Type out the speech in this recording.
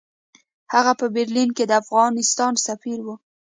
هغه په برلین کې د افغانستان سفیر وو.